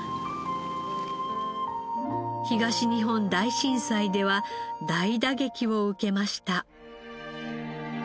東日本大震災では大打撃を受けました。